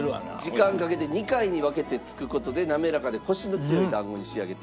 時間かけて２回に分けてつく事で滑らかでコシの強い団子に仕上げているという。